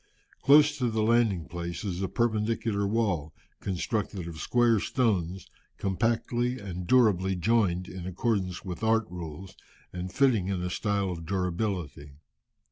Close to the landing place is a perpendicular wall, constructed of square stones, compactly and durably joined in accordance with art rules, and fitting in a style of durability.